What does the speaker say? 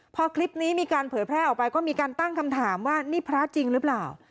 พอคลิปนี้มีการเผยแพร่ออกไปก็มีการตั้งคำถามว่านี่พระจริงหรือเปล่า